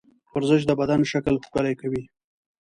ورزش د بدن شکل ښکلی کوي.